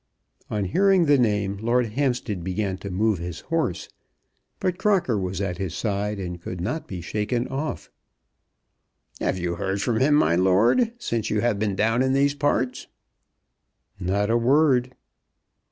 On hearing the name, Lord Hampstead began to move his horse, but Crocker was at his side and could not be shaken off. "Have you heard from him, my lord, since you have been down in these parts?" "Not a word."